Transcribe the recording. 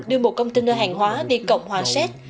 đưa một công ty nơi hàng hóa đi cộng hòa xét